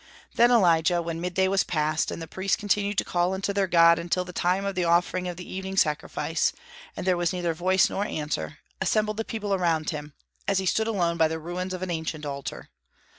Then Elijah, when midday was past, and the priests continued to call unto their god until the time of the offering of the evening sacrifice, and there was neither voice nor answer, assembled the people around him, as he stood alone by the ruins of an ancient altar.